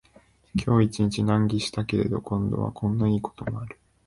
今日一日難儀したけれど、今度はこんないいこともある